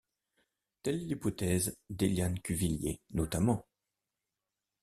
Telle est l’hypothèse d’Élian Cuvillier, notamment.